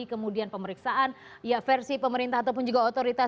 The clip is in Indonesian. kemudian pemeriksaan ya versi pemerintah ataupun juga otoritas